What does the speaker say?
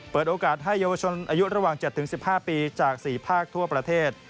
เปิดโอกาสให้เยาวชนอายุระหว่าง๗๑๕ปีจาก๔ภาคทั่วประเทศ